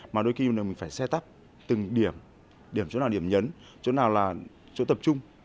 mà đôi khi mình phải set up từng điểm điểm chỗ nào điểm nhấn chỗ nào là chỗ tập trung